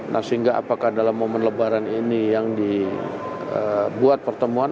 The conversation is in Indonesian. nah sehingga apakah dalam momen lebaran ini yang dibuat pertemuan